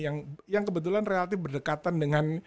yang kebetulan relatif berdekatan dengan